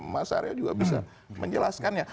mas arya juga bisa menjelaskannya